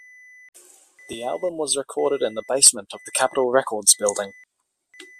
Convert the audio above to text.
The album was recorded in the basement of the Capitol Records Building.